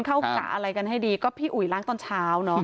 เข้าขาอะไรกันให้ดีก็พี่อุ๋ยล้างตอนเช้า